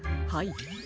はい。